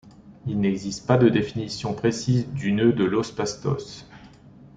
Il n'existe pas de définition précise du Nœud de los Pastos.